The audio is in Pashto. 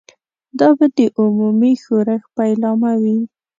دا به د عمومي ښورښ پیلامه وي.